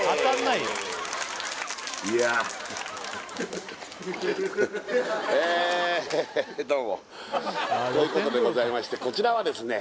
いやあええどうもということでございましてこちらはですね